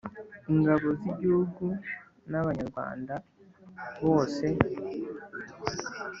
ingabo z'igihugu n'abanyarwanda bose.